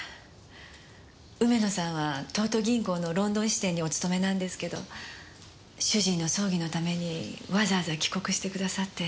梅野さんは東都銀行のロンドン支店にお勤めなんですけど主人の葬儀のためにわざわざ帰国してくださって。